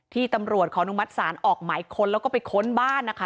ที่ตำรวจขออนุมัติศาลออกหมายค้นแล้วก็ไปค้นบ้านนะคะ